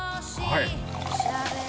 はい？